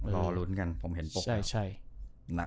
รอรุ้นกันผมเห็นปกแล้ว